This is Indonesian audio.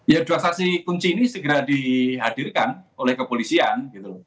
ya dua saksi kunci ini segera dihadirkan oleh kepolisian gitu loh